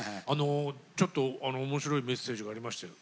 ちょっと面白いメッセージがありましたよ。